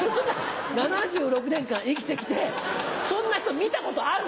７６年間生きてきてそんな人見たことある？